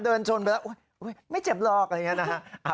เดินชนไปแล้วไม่เจ็บหรอกอะไรอย่างนี้นะฮะ